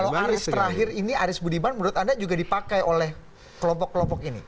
kalau aris terakhir ini aris budiman menurut anda juga dipakai oleh kelompok kelompok ini